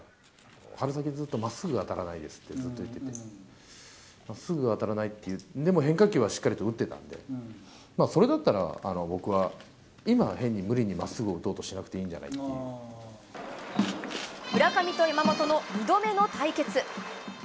春先ずっとまっすぐが当たらないですって言ってて、すぐ当たらないって、でも変化球はしっかりと打ってたんで、それだったら、僕は、今は変に無理にまっすぐを打とうとしなくていいんじゃない村上と山本の２度目の対決。